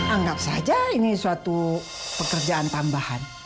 anggap saja ini suatu pekerjaan tambahan